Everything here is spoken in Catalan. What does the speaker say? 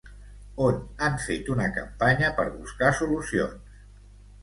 On han fet una campanya per buscar solucions?